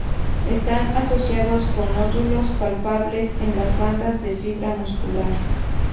Están asociados con nódulos palpables en las bandas de fibra muscular.